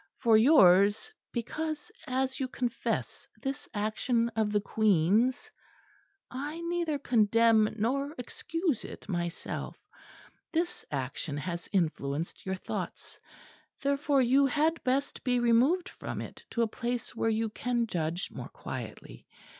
For yours, because, as you confess, this action of the Queen's (I neither condemn nor excuse it myself) this action has influenced your thoughts: therefore you had best be removed from it to a place where you can judge more quietly.